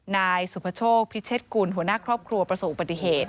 นายสุภโชคพิเชษกุลหัวหน้าครอบครัวประสบอุบัติเหตุ